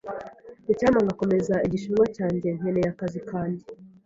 Icyampa nkakomeza Igishinwa cyanjye. Nkeneye akazi kanjye.